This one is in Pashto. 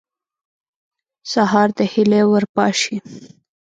سهار د هیلې ور پاشي.